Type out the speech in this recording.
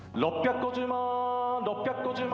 ６５０万！